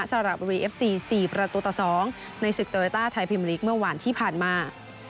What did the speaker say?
สระบุรีเอฟซี๔ประตูต่อ๒ในศึกโตโยต้าไทยพิมลีกเมื่อวานที่ผ่านมา